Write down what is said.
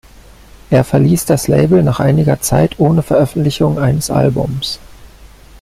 Er verließ das Label nach einiger Zeit ohne Veröffentlichung eines Albums.